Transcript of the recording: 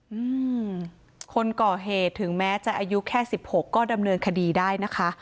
อืมคนก่อเหตุถึงแม้จะอายุแค่สิบหกก็ดำเนินคดีได้นะคะ